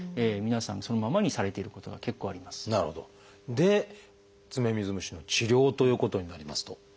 で爪水虫の治療ということになりますと。